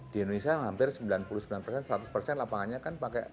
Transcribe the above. di indonesia hampir sembilan puluh sembilan persen seratus persen lapangannya kan pakai